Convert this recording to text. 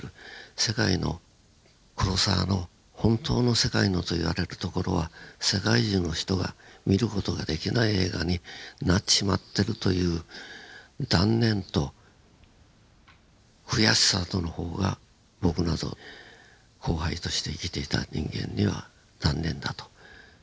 「世界のクロサワ」の本当の「世界の」と言われるところは世界中の人が見る事ができない映画になっちまってるという断念と悔しさとの方が僕など後輩として生きていた人間には残念だと。